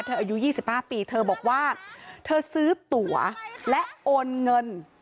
อายุ๒๕ปีเธอบอกว่าเธอซื้อตั๋วและโอนเงิน